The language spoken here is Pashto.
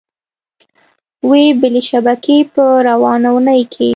وې بلې شبکې په روانه اونۍ کې